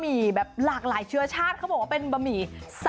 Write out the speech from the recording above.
มีบะหมี่แบบหลากหลายเชื้อชาติเขาบอกว่าเป็นบะหมี่สามสันชาติเหรอคะ